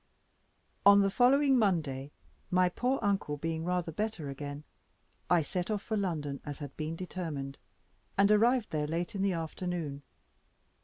On the following Monday, my poor uncle being rather better again, I set off for London, as had been determined, and arrived there late in the afternoon.